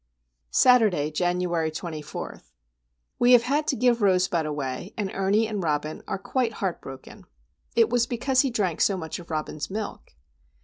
Saturday, January 24. We have had to give Rosebud away, and Ernie and Robin are quite heartbroken. It was because he drank so much of Robin's milk.